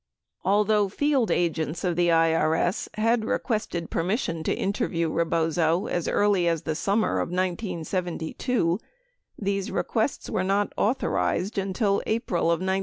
Al though field agents of the IRS had requested permission to interview Rebozo as early as the summer of 1972, these requests were not author ized until April of 1973.